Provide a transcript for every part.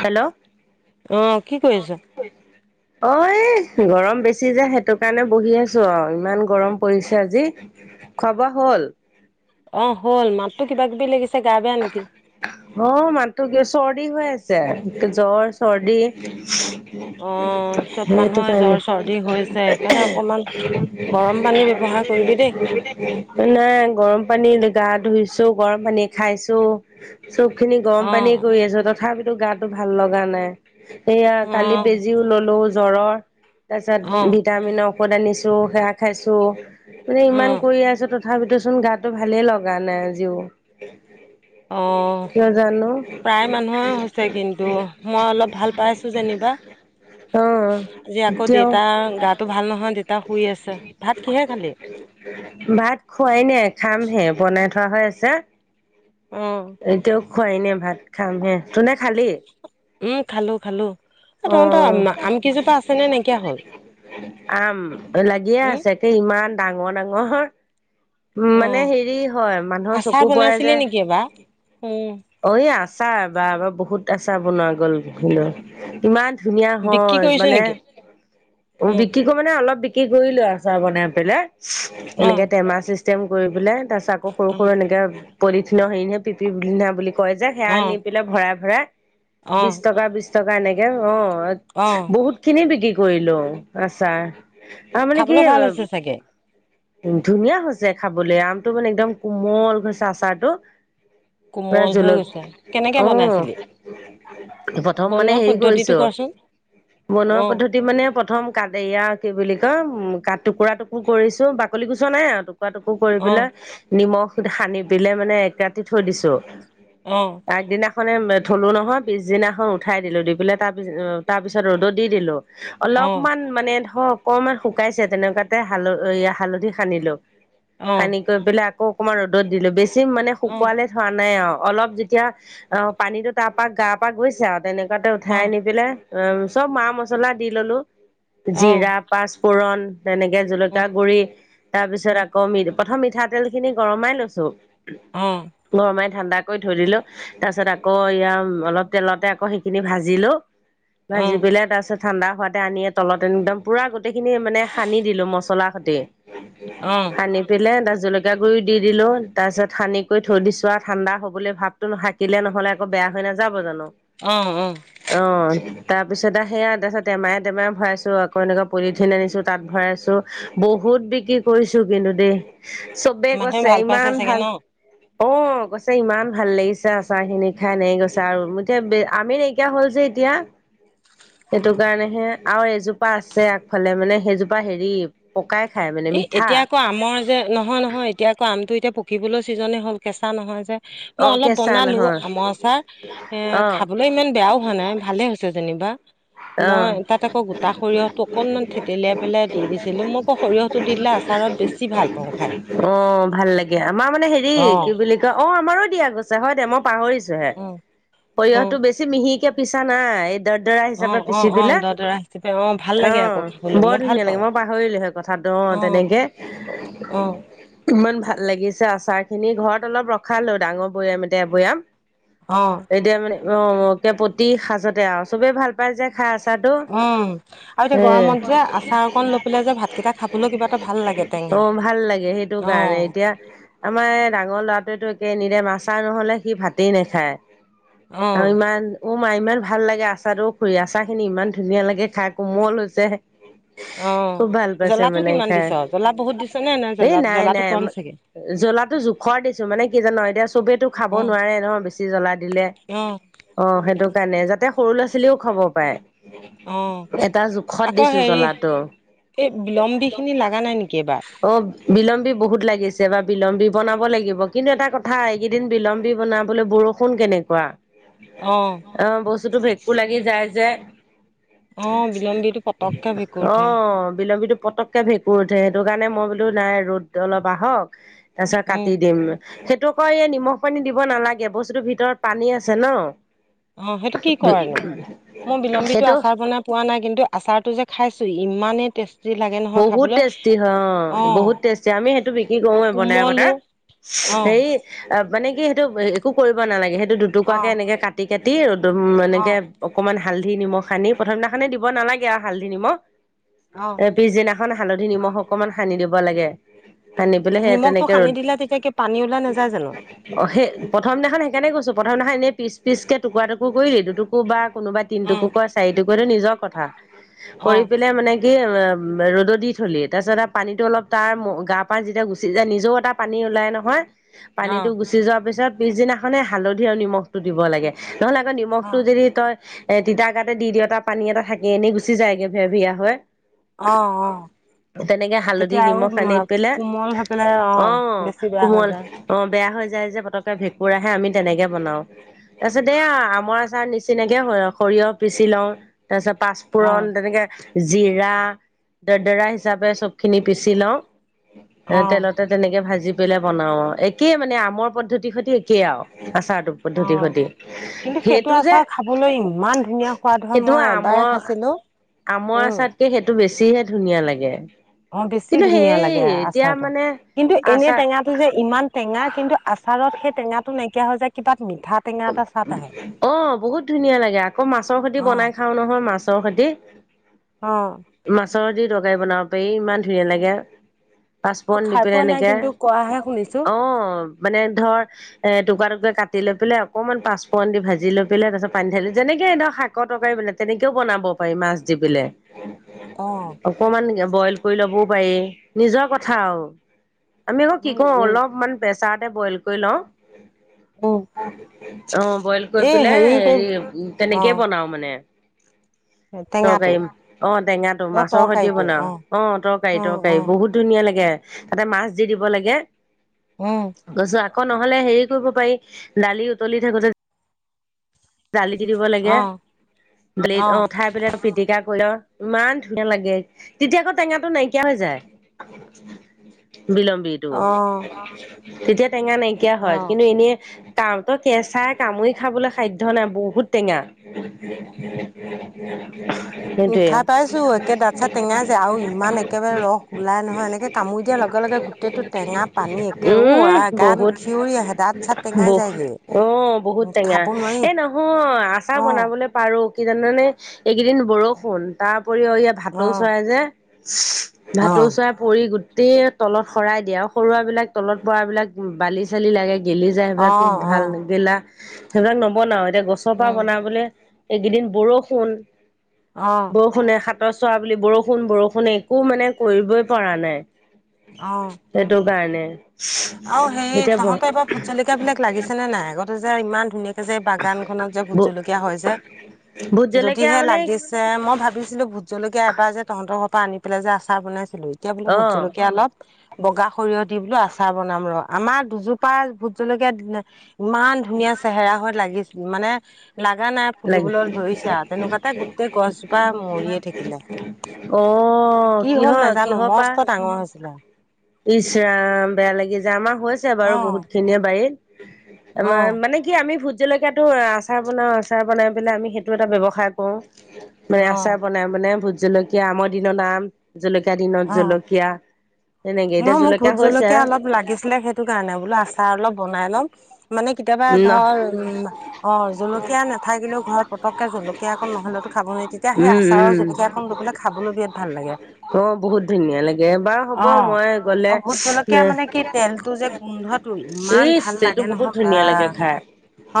Hello. অ', অ কি কৰি আছ এহ, গৰম বেছি যে, সেইটো কাৰণে বহি আছোঁ আৰু ইমান গৰম পৰিছে আজি। খোৱা-বোৱা হ'ল? অ' হ'ল। মাতটো কিবা-কিবি লাগিছে, গা বেয়া নেকি? অ', মাতটো কিয়, চৰ্দি হৈ আছে। জ্বৰ-চৰ্দি অ চব সেইটো মানুহৰ জ্বৰ কাৰণে [inaudible] চৰ্দি হৈছে সেইকাৰণে অকমান গৰম পানী ব্যৱহাৰ কৰিবি দেই নাই, গৰম পানী দি গা ধুইছোঁ, গৰম পানী খাইছোঁ চবখিনি গৰম অ পানীয়ে কৰি আছোঁ, তথাপিতো গাটো ভাল লগা নাই। সেইয়া অ কালি অ বেজিও ললো জ্বৰৰ তাৰপিছত ভিট ভিটামিনৰ ঔষধ আনিছো সেৱা খাইছোঁ মানে অ ইমান কৰি আছো তথ তথাপিতো চোন গাতটো ভালে লগা নাই আজিও। অ কিয় জানো। [inaudible] প্ৰায় মানুহৰে হৈছে কিন্তু মই অলপ ভাল পাইছো যেনিবা আজি আকৌ এতিয়াও দেউতা গাটো ভাল নহয়। দেউতা শুই আছে। ভাত কিহে খালি? ভাত খুৱাই নাই খামহে বনাই থোৱা হৈ আছে। অ'। এতিয়াও খোৱাই নাই ভাত খাম হে। তোহতে খালি? উম, খালোঁ খালোঁ। অ', নাইকিয়া হ'ল আম লাগিয়ে উম আছে। সে ইমান ডাঙৰ ডাঙৰ। উম মানে হেৰি হয় মানুহৰ অ'। চকু আচাৰ পৰে যে বনাইছিলি নেকি এইবাৰ? উম। অ', এই আচাৰ বা বহুত আচাৰ বনোৱা গ'ল বিভিন্ন। কিমান ধুনীয়া বিক্ৰী হয় কৰিছে মানে। নেকি? উম, বিক্ৰী মানে অলপ বিক্ৰী কৰিলো আচাৰ বনাই পেলাই। এনেকে অ', টেমা চিষ্টেম কৰি পেলাই। তাৰপিছ আকৌ সৰু সৰু অ', এনেকে পলিথিনৰ হেৰিনি পিপি বিন্ধা বুলি কয় যে সেয়া আনি অ', পেলাই ভৰাই ভৰাই বিশ অ', টকা বিশ টকা এনেকে অ', অ', বহুত খিনি বিক্ৰী কৰিলোঁ, আচাৰ। খাবলৈ ভাল হৈছে চাগে? উম, ধুনীয়া হৈছে খাবলে। আমটো মানে একদম কোমল হৈছে আচাৰটো। পোৰা কোমল হৈ জলক, গৈছে। কেনেকে অ', বনাইছিলি? প্ৰথম মানে বনোৱা হেৰি পদ্ধতিটো কৰিছোঁ। কচোন? বনোৱা অ', পদ্ধতি মানে প্ৰথম কাত এইয়া কি বুলি কয় উম, কা টুকুৰা টুকুৰ কৰিছোঁ বাকলি গুচোৱা নাই আও তো টুুকুৰা টুকুৰ কৰি পেলাই অ', নিমখ সানি দিলে মানে এক ৰাতি থৈ দিছোঁ। অ', আগ দিনা মানে থলো নহয় পিছদিনাখন উঠাই দিলো দি পেলাই তাৰ পিছ তাৰ পিছত ৰ'দত দি দিলোঁ অ', অলপমান মানে ধৰ অকমান শুকাইছে, তেনেকোৱাতে হাল এইয়া হাল ধি সানিলোঁ। অ', অ', সানি কৰি পেলাই আকৌ অকমান ৰ'দত দিলো। বেছি মানে অ', শুকোৱালে থোৱা নাই আৰু অলপ যেতিয়া অ' পানীতো তাৰ পৰা গাৰ পৰা গৈছে আৰু তেনে তাতে উঠাই অ', নি দিলে অ চব মা মছলা দি ললো অ', অ', জিৰা, পাঁচফোৰণ, তেনেকে অ', জলকীয়া গুড়ি তাৰ পিছত আকৌ মি প্ৰথম মিঠাতেল খিনি গৰমাই লৈছোঁ। অ, গৰমাই ঠাণ্ডা কৰি থৈ দিলোঁ। তাৰ পিছত আকৌ এয়া অলপ তেলতে আকৌ সেইখিনি ভাজিলোঁ। ন অ', যিবিলাক আছে ঠাণ্ডা হোৱাতে আনি তলত একদম পুৰা গোটেইখিনি মানে সানি দিলোঁ মছলা সৈতে অ', সানি পেলাই তাত জলকীয়া গুড়ি দি দিলোঁ তাৰপিছত সানিকৈ থৈ দিছোঁ আৰু ঠাণ্ডা হ'ব বুলি ভাব শাকিলে নহলে আকৌ বেয়া হৈ নাযাব জানো? অ, অ, অ, তাৰ পিছত সেয়া তাৰপিছত টেমাই টেমাইে ভৰাইছোঁ আকৌ এনেকুৱা পলিথিন আনিছোঁ তাত ভৰাইছোঁ। বহুত বিক্ৰী কৰিছোঁ কিন্তু দেই চবে মানুহে কৈছে ভাল পাইছে ইমান চাগে ভাল ন? অ, গৈছে ইমান ভাল লাগিছে আচাৰ খিনি খাই ন গৈছে আৰু এতিয়া আমি নেকি কিয় হ'ল যে এতিয়া। সেইটো কাৰণে হে আৰু এজোপা আছে আগফালে মানে সেইজোপা হেৰি পকাই খায়। এ এতিয়া আকৌ আমৰ যে নহয় নহয় এতিয়া আকৌ আমটো এতিয়া পকিবলৈ ছিজনেই হ'ল কেঁচা নহয় যে। মই অ', অলপ কেঁচা বনালো নহয় আমৰ আচাৰ এ অ', খাবলৈ ইমান বেয়াও হোৱা নাই ভালে হৈছে। হৈছে যেনিবা। মই অ'। তাত আকৌ গোটা সৰিয়হটো অকনমান থেতেলিয়াই পেলাই দি দিছিলো মই আকৌ সৰিয়হটো দি দিলে আচাৰত বেছি ভাল পাওঁ খাই অ', ভাল লাগে আমাৰ মানে হেৰি অ কি বুলি অ', আমাৰো দিয়া গৈছে। হয় দে, মই পাহৰিছো হে অ অ সৰিয়হটো বেছি। যে মিহিকে পিছা নাই এই দৰদৰা অ হিচাপে। অ পিচি অ দিলে দদৰা হিচাপে অ ভাল লাগে অ', আকৌ খাবলৈ মই বৰ ভাল ধুনীয়া লাগে পাওঁ মই পাহৰিলোহে কথাটো অ' তেনেকে। অ [unintelligible] ইমান ভাল লাগিছে, আচাৰ খিনি ঘৰত অলপ ৰখালো ডাঙৰ বৈয়াম এতিয়া এ বৈয়াম। অ'। এতিয়া মানে, অ' প্ৰতি সাঁজতে আৰু চবেই ভাল পাই যে খাই। চাদ। উম আৰু এতিয়া গৰমত যে আচাৰ অকণ লৈ পেলাই যে ভাতকেইটা খাবলৈ কিবা এটা ভাল লাগে টেঙা ত' ভাল লাগে সেইটো অ কাৰণে এতিয়া। আমাৰ এই ডাঙৰ ল'ৰাটোৱেতটো একে, এনিটাইম আচাৰ নহলে সি ভাতেই নাখায়। অ ইমান অ', মা ইমান ভাল লাগে আচাৰটোও ফুৰি আছা। আচাৰ খিনি ইমান ধুনীয়া লাগে খাই কোমল হৈছে। অ', খুব ভাল পাইছে জ্বলাটো মানে কিমান খাই দিছ জ্বলা বহুত দিছ নে নে, জ্বলা জ্বলাটো কম চাগে? জ্বলাাতো জোখৰ দিছো মানে কি জানো এতিয়া চবেইটো খাব নোৱাৰে নহয় বেছি জ্বলা দিলে। উম। অ', সেইটো কাৰণে যাতে সৰু ল'ৰা ছোৱালীও খাব পাৰে। অ', এটা জোখত আকৌ দিছো হেৰি জ্বলাটো। এই বিলম্বী খিনি লাগা নাই নেকি এইবাৰ? অ'। বিলম্বী বহুত লাগিছে বা বিলম্বী বনাব লাগিব, কিন্তু এটা কথা এইকেইদিন বিলম্বী বনাবলৈ বৰষুণ। শুন কেনেকুৱা অ বস্তুতটো ভেকু লাগি যায় যে। অ', বিলম্বীটো পতককে ভেঁকুৰ উঠে। অ', বিলম্বীটো পতক কে ভেঁকুৰ উঠে সেইটো কাৰণে মই বোলো নাই, ৰ'দ অলপ আহক তাৰ পিছত উম, কাটি দিম। সেইটো কৰি এই নিমখ পানী দিব নালাগে বস্তুতৰ ভিতৰত পানী আছে ন? অ', সেইটো কি কৰেনো মই বিলম্বিতটো সেইটো আচাৰ। বনোৱা নাই। কিন্তু আচাৰটো যে খাইছো ইমানেই টেষ্ট বহুত টেষ্টি হয় অ বহুত টেষ্টি আমি সেইটো বিক্ৰী কৰোৱে বনাই কোমলো বনাই। অ', সেই অ', মানে কি সেইটো একো কৰিব নালাগে, সেইটো দুটুকাকে অ', এনেকে কাটি কাটিদম এনেকে অ', অকমান হালধি, নিমখ আনি প্ৰথম দিনাখনে দিব নালাগে আৰু হালধি নিমখ অ'। এ, পিছদিনাখন হালধি নিমখ অকনমান সানি দিব লাগে। সানি পেলাই সেয়া নিমখটো তেনেকে সানি ৰ'দ দিলে তেতিয়া কি পানী ওলাই নাযায় জানো? অ', সেই প্ৰথম দিনাখন সেইকাৰণে‌ গইছো প্ৰথম দিনাখন এনেই পিচ-পিচ কে টুৰা টুুকুৰ কৰিল দুটুকু বা কোনোবা তিনটোকো অ', কয় চাৰিটোকটো নিজৰ কথা। ‌কৰি অ', পেলাই মানে কি? এ উ, ৰ'দত দি থলি। তাৰপিছত পানীতো অলপ তাৰ গা পা যেতিয়া গুচি যায় নিজেও এটা পানী ওলাই নহয়। পানীতটো অ', গুচি যোৱাৰ পিছত পিছদিনাখনে হালধি আৰু নিমখটো দিব লাগে। নহ'লে আকৌ নিমখটো অ'। যদি তই এ', তিতাঁ গাতে দিওঁতা পানী এটা থাকে এনেই গুচি যায়গে ভে‌-ভিয়া হয়। অ', অ'। তেনেকে হালধি তেতিয়া আৰু নিমখ উম সানি পেলাই, কোমল হৈ পেলাই অ', বেছি বেয়া হৈ কোমল যায় অ', বেয়া হৈ যায় যে পতকে ভেঁকুৰ আহে আমি তেনেকে বনাও। তাৰপিছত দেইয়া আমৰ আচাৰ নিচিনাকে সৰিয়হ পিচি লওঁ তাৰপিছত পাচ অ পুৰণ তেনেকে জিৰা দৰদৰা হিচাপে চবখিনি পিচি লওঁ। অ এ', তেলতে তেনেকে ভাজি পেলাই বনাও আৰু একেই মানে আমৰ পদ্ধতিৰ সৈতে একেই আৰু আচাৰটো অ পদ্ধতিৰ সৈতে। কিন্তু সেইটো যে আচাৰ খাবলৈ ইমান ধুনীয়া সোৱাদ হয় সেইটো মই এবাৰ আমৰ খাইছিলো আমৰ উম আচাতকে সেইটো বেছিহে ধুনীয়া লাগে। অ', বেছি কিন্তু ধুনীয়া সেই লাগে এতিয়া আচাৰটো। মানে ‌ কিন্তু এনে আচাৰ টেঙা যে ইমান টেঙা। কিন্তু আচাৰত সেই টেঙাটো নাইকিয়া হয় যে কিবা মিঠাত অ', বহুত ধুনীয়া লাগে। আকৌ মাছৰ সৈতি অ বনাই খাও নহয় মাছৰ সৈতি অ', মাছৰ সতি তৰকাৰী বনাব পাৰি। ইমান ধুনীয়া লাগে। মই পাঁচপুৰণ দি খাই পিনে পোৱা নাই এনেকে। কিন্তু কোৱাহে শুনিছো অ', মানে ধৰ এ', টুকুৰা-টুকুৰা কাটি লৈ পেলাই অকণমান পাঁচপুৰণ দি ভাজি লৈ পেলাই তাৰপিছত পানী ধালি। ‌‌ যেনেকৈ এ' ধক শাকৰ তৰকাৰী বানাই তেনেকেও বনাব পাৰি মাছ দি পেলে অ', অকমান বইল কৰি ল'বও পাৰি। নিজৰ কথা আৰু আমি আকৌ কি উম কো উম অলপমান প্ৰেছাৰতে বইল কৰি লওঁ। অ', অ', বইল কৰি পেলাই কৰি হে অ তেনেকেই বনাও মানে। টেঙাটো তৰকাৰী অ', টেঙা টো অ মাছৰ সৈতে তৰকাৰীটো বনাও অ', অ তৰকাৰী, অ তৰকাৰী বহুত ধুনীয়া লাগে। তাতে মাছ দি দিব লাগে। অ গছো আকৌ নহ'লে হেৰি কৰিব পাৰি। দালি উতলি থাকোতে দালি দি দিব লাগে অ', বলে অ', উ', খাই পেলাই পিটিকা কৰি। ইমান ধুনীয়া লাগে। ‌তেতিয়া আকৌ টেঙাটো নাইকিয়া হৈ যায়। বিলম্বীটো। অ'। ‌ তেতিয়া টেঙা নাইকিয়া হয়। অ'। কিন্তু এনেই কাম তই কেঁচাই কামুৰি খাবলৈ সাধ্য নাই বহুত টেঙা। উম, হেটোৱে খাই পাইছোঁ, একে দাঁত চাত টেঙাই যায় আৰু ইমান একেবাৰে ৰস ওলাই নহয়। ‌‌ এনেকৈ কামুৰি দিয়াৰ লগে লগে গোটেইটো টেঙা পানী একে ঔ-আই গা খিঞৰি আহে। দাঁত চাত টেঙাই বহু যায়গে। অ', বহুত উম, টেঙা খাব নোৱাৰি, এই নহয় আচাৰ অ', বনাবলৈ পাৰো। কি জানানে এইকেইদিন বৰষুণ তাৰ উপৰিও ইয়াত ভাটৌ অ', চৰাই যে ভাটৌ অ', চৰাই কৰি গোটেই তলত শৰাই দিয়ে আৰু তলত বিলাক তলত পৰা বিলাক বালি চালি লাগে গেলি যায়। সেইবিলাকো অ', ভাল অ'। গেলা সেইবিলাক নবনাও। এতিয়া গছৰ পৰা উম। বনাবলে এইকেইদিন বৰষুণ। অ', বৰষুণে সাত সাত চোৱা বুলি বৰষুণ বৰষুণ একো মানে কৰিবই পৰা নাই অ এইটো কাৰণে আৰু হেই এতিয়া ব তহঁতৰ এইবাৰ ভোট জলকীয়া বিলাক লাগিছে নে নাই আগত যে ইমান ধুনীয়াকে যে বাগান খনত যে ভোট জলকীয়া হয় যে ভোট জলকীয়া যদিহে মানে লাগি যে মই ভাবিছিলো ভোট জলকীয়া এবাৰ যে তহতৰ পৰা আনি পেলাই যে আচাৰ বনাইছিলো এতিয়া বোলো ভোট অ' জলকীয়া অলপ বগা সৰিয়হ দি বোলো আ আচাৰ বনাম ৰহ আমাৰ দুজোপা ভোট জলকীয়া ইমান ধুনীয়া চেহেৰা হৈ লাগিছে মানে লাগা নাই লাগে ফুলিবলৈ ধৰিছে আৰু তেনেকুৱাতে গোটেই গছজোপা মৰিয়ে থাকিলে অ কি হ'ল কিহৰ নাজানো কিহৰ পা মস্ত ডাঙৰ হৈছিলে ইচ ৰাম বেয়া লাগি যায় আমাৰ হৈছে অ বাৰু বহুত খিনিয়ে বাৰীত অ আমৰ মানে কি আমি ভোট জলকীয়াতো আচাৰ বনোৱা আছে আচাৰ বনাই পেলাই আমি সেইটো এটা ব্যৱসায় কৰোঁ মানে অ আচাৰ বনাই মানে ভোট জলকীয়া আমৰ দিনত আম জলকীয়া দিনত জলকীয়া তেনেকে ন এতিয়া মোক ভোট হৈছে, জলকীয়া অলপ লাগিছিলে সেইটো কাৰণে বোলো আচাৰ অলপ বনাই ললপ মানে কেতিয়াবা ন ধৰ উম অ জলকীয়া নাথাকিলেও ঘৰত পতককে জলকীয়া অকৌ নহ'লেতো খাব নো তেতিয়া সেই উম, আচাৰৰ উম। জলকীয়াকন লবলে খাবলৈ বিৰাট ভাল লাগে অ', বহুত ধুনীয়া লাগে, বাৰু হ'ব অ মই গ'লে অ ভোট জলকীয়া মানে কি তেলটো যে গোন্ধটো ইমান ভাল লাগে নহয় বা ধুনীয়া লাগে খাই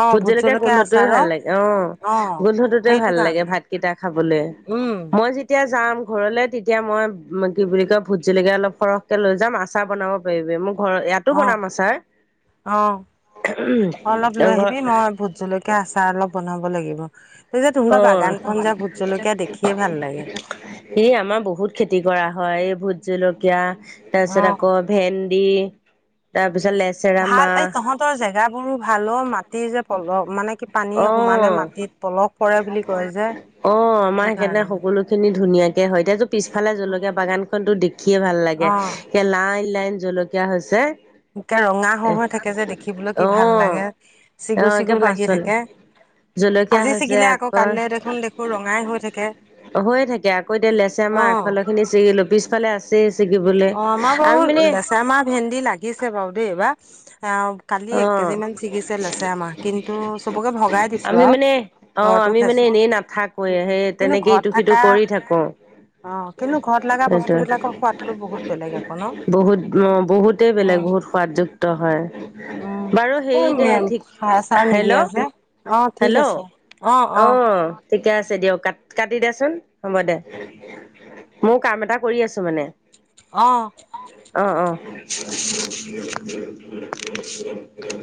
অ ভুট ভোট জিলকীয়া জলকীয়া গোন্ধটোৱে আচাৰৰ ভাল লাগে অ অ গোন্ধটোতে সেইটো ভাল লাগে কাৰণে ভাত কেইটা খাবলে, উম মই যে তিয়া যাম ঘৰলৈ, তেতিয়া মই কি বুলি কয় ভোত জলকীয়া অলপ সৰহকে লৈ যাম আচাৰ বনাব পাৰিবি। মোক ঘৰৰ ইয়াতো অ বনাম আছাৰ। অ' অলপ লৈ ঘৰত আহিবি মই ভোট জলক কীয়া আচাৰ অলপ বনাব লাগিব। তাৰ পিছত তোহোতৰ অ', বাগান খন যে ভোট জলকীয়া দেখিয়ে ভাল লাগে। ই আমাৰ বহুত খেতি কৰা হয়। এই ভোট জলকীয়া, তাৰ পিছত আকৌ ভেন্দি, তাৰ পিছত লেচ ভাল এই তহঁতৰ জেগাবোৰো ভালো, মাট টি যে পলস মানে কি পানীয়ে সোমালে অ', মাটিত পলস পৰে বুলি কয় যে অ' আমাৰ সেইটো হেই কাৰনে কাৰণে। সকলো খিনি ধুনীয়াকে হয়। এতিয়াটো পিছফালে জলকীয়া বাগানখনটো দেখিয়ে ভাল লাগে। অ', একে লাইন লাইন জলকীয়া হৈছে। একে ৰঙা অ হৈ হৈ থাকে যে দেখিবলৈ কি ভাল লাগে। চিগু অ' একে চিগু পাছ লাগি ফালে। থাকে। জলকীয়া আজি হৈছে ছিগিলে আকৌ কালিলৈ দেখোন দেখো ৰঙাই হৈ থাকে। হৈয়ে থাকে আকৌ, এটিয়া লেচেৰা মাহ আগ অ'। ফালৰ খিনি চিঙিলো, পিছফালে আছে ছি ছিগিবলে, অ আমি বাৰু মানে লেচেৰা আমাৰ ভেন্দি লাগিছে বাৰু দেই এইবাৰ, অ' কালি অ এক কেজিমান ছিগিছে লেচেৰা মাহ, কিন্তু চবকে ভগাই দিছোঁ আমি আৰু। মানে অ ঘৰতো আমি মানে খাইছো। এনেই নাথাকোৱে সেই কিন্তু তেনেকে ঘৰত ইটো সিটো থকা কৰি থাকো অ' কিন্তু ঘৰত লগা বস্তু সেইটোৱে বিলাকৰ সোৱাদটো বহু বহুত অ' বহুতেই বেলেগ উম বহুত সোৱাদযুক্ত হয়। বাৰু হেৰি উম দে ঠিক সাৰ চাৰ নিদিয়া হেল্ল' যে, অ' ঠিক হেল্ল' আছে। অ' অ'। ঠিকে আছে দিয়ক, কাট কাটি দে চোন হ'ব দে। মোৰ কাম এটা কৰি আছো মানে। অ'। অ' অ'।